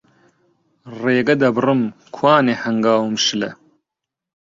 ڕێگە دەبڕم، کوانێ هەنگاوم شلە